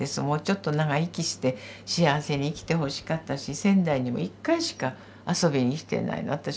もうちょっと長生きして幸せに生きてほしかったし仙台にも１回しか遊びに来てないの。